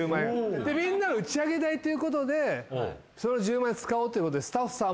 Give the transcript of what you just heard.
みんな打ち上げ代ということでその１０万円使おうということでスタッフさんも応援に来てる。